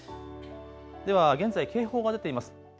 では現在、警報が出ています。